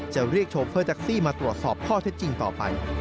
จะเรียกโชเฟอร์แท็กซี่มาตรวจสอบข้อเท็จจริงต่อไป